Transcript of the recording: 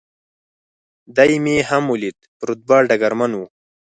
دی مې هم ولید، په رتبه ډګرمن و.